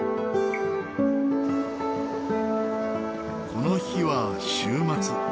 この日は週末。